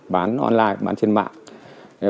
bán online bán trên mạng